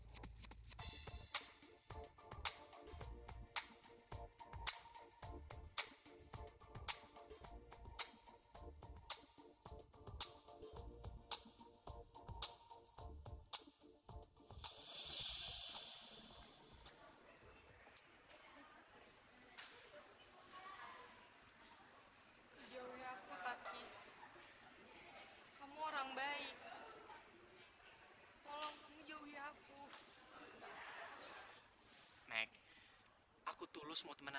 kita butuh tumba